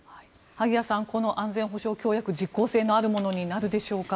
萩谷さん安全保障協約実効性のあるものになるでしょうか。